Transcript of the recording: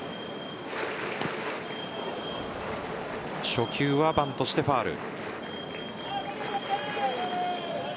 初球はバントしてファウル。